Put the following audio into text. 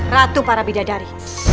ratu para bidadari